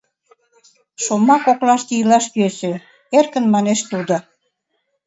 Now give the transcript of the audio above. Шомак коклаште илаш йӧсӧ, — эркын манеш тудо.